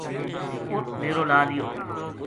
اُت ڈیرو لا لِیو